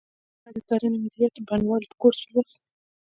هغه د کرنې مدیریت د بڼوالۍ کورس ولوست